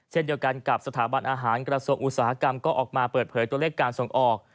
เช่นเดียวกันกับสถาบันอาหารกระทรวงอุตสาหกรรมก็ออกมาเปิดเผยตัวเลขการส่งออก